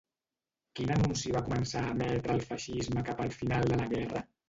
Quin anunci va començar a emetre el feixisme cap al final de la guerra?